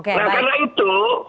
nah karena itu